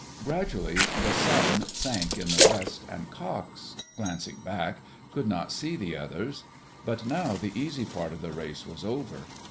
Gradually the sun sank in the west, and Cox, glancing back, could not see the others. But now the easy part of the race was over.